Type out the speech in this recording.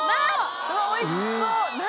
うわおいしそう何？